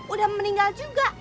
udah meninggal juga